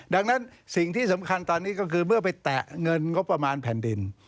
ดังนั้นสิ่งที่สำคัญตอนนี้ก็คือเมื่อไปแตะเงินงบประมาณแผ่นดิน